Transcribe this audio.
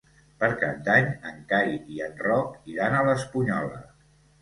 Per Cap d'Any en Cai i en Roc iran a l'Espunyola.